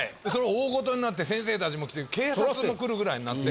大事になって先生たちも来て警察も来るぐらいになって。